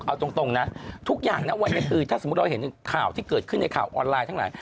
เอาตรงนะทุกอย่างนะวันนี้คือถ้าสมมุติเราเห็นข่าวที่เกิดขึ้นในข่าวออนไลน์ทั้งหลาย